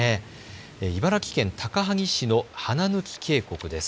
茨城県高萩市の花貫渓谷です。